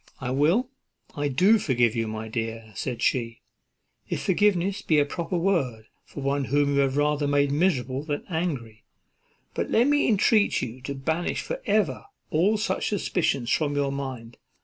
"I will, I do forgive you, my dear," said she, "if forgiveness be a proper word for one whom you have rather made miserable than angry; but let me entreat you to banish for ever all such suspicions from your mind.